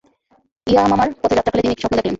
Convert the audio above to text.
ইয়ামামার পথে যাত্রা কালে তিনি একটি স্বপ্ন দেখলেন।